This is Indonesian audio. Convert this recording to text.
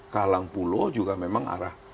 ke halang pulau juga memang arah